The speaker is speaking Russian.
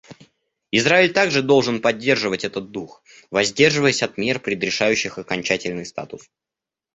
Израиль также должен поддерживать этот дух, воздерживаясь от мер, предрешающих окончательный статус.